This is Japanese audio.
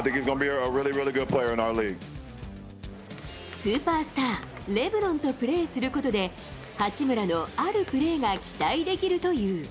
スーパースター、レブロンとプレーすることで、八村のあるプレーが期待できるという。